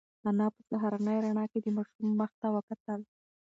انا په سهارنۍ رڼا کې د ماشوم مخ ته وکتل.